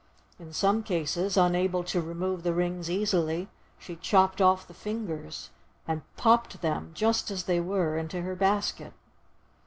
In some cases, unable to remove the rings easily, she chopped off the fingers, and popped them, just as they were, into her basket.